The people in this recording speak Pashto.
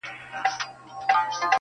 o نه باد وهلي يو، نه لمر سوځلي يو٫